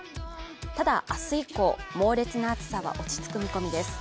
ただ、明日以降、猛烈な暑さは落ち着く見込みです。